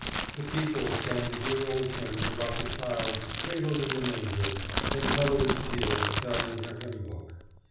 The people sang the dear old hymns about the child cradled in the manger, and mother's tears fell in her hymn book.